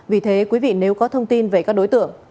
vì thế quý vị nếu có thông tin về các đối tượng